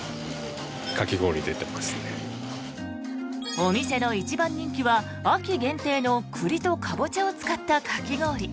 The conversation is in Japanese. お店の一番人気は秋限定の栗とカボチャを使ったかき氷。